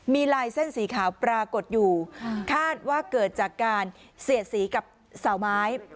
มีลายเส้นสีขาวปรากฏอยู่คาดว่าเกิดจากการเสียดสีกับเสาไม้